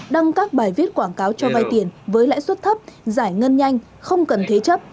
đăng các bài viết quảng cáo cho vay tiền với lãi suất thấp giải ngân nhanh không cần thế chấp